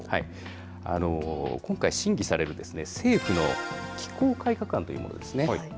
今回、審議される政府の機構改革案というものですね。